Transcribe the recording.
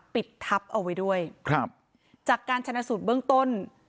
ปิดทับเอาไว้ด้วยครับจากการชนะสูตรเบื้องต้น